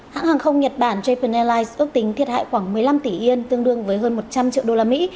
hãng hàng không nhật bản japan airlines ước tính thiệt hại khoảng một mươi năm tỷ yen tương đương với hơn một trăm linh triệu usd